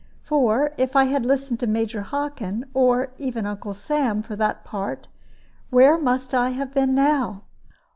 For if I had listened to Major Hockin, or even Uncle Sam for that part, where must I have been now?